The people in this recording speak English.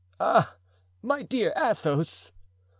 "Ah! my dear Athos!"